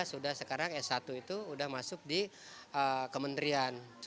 sudah sekarang s satu itu sudah masuk di kementerian